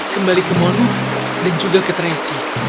kembali ke molu dan juga ke tracy